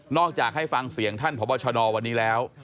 จากให้ฟังเสียงท่านพบชนวันนี้แล้ว